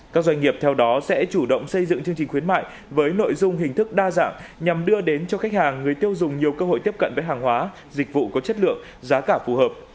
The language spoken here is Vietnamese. các doanh nghiệp theo đó sẽ chủ động xây dựng chương trình khuyến mại với nội dung hình thức đa dạng nhằm đưa đến cho khách hàng người tiêu dùng nhiều cơ hội tiếp cận với hàng hóa dịch vụ có chất lượng giá cả phù hợp